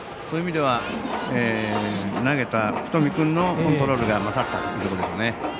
そういう意味では投げた福冨君のコントロールが勝ったというところでしょうね。